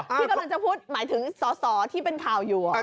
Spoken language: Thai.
อ้าวพี่กำลังจะพูดหมายถึงสอที่เป็นเข่ออยู่เหรอ